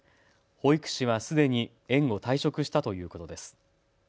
保育士はすでに園を退職したということです。